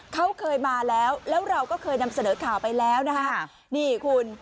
เขาเคยมาแล้วแล้วเราก็เคยนำเสนอข่าวไปแล้วนะฮะนี่คุณ